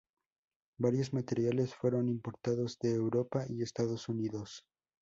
Varios materiales fueron importados de Europa y Estados Unidos.